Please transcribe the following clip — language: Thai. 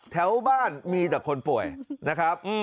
แถวบ้านมีแต่คนป่วยนะครับ